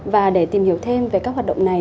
và để tìm hiểu thêm về các hoạt động này